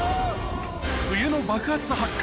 冬の爆発・発火！